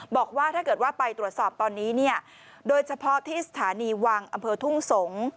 บอกว่าถ้าเกิดว่าไปตรวจสอบตอนนี้เนี่ยโดยเฉพาะที่สถานีวังอำเภอทุ่งสงศ์